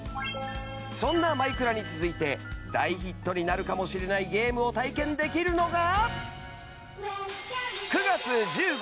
そんな『マイクラ』に続いて大ヒットになるかもしれないゲームを体験できるのが。